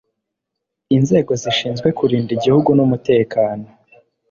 Inzego zishinzwe kurinda Igihugu n'umutekano